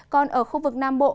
còn ở khu vực nam bộ